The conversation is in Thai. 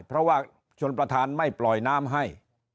เพราะว่าชนประธานไม่ปล่อยน้ำให้